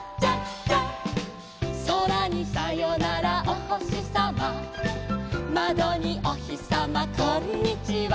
「そらにさよならおほしさま」「まどにおひさまこんにちは」